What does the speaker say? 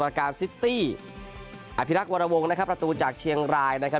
การซิตี้อิรักษ์วรวงนะครับประตูจากเชียงรายนะครับ